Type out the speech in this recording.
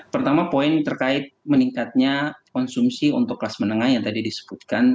pertama poin terkait meningkatnya konsumsi untuk kelas menengah yang tadi disebutkan